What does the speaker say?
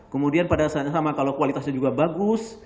kemudian pada saat yang sama kalau kualitasnya juga bagus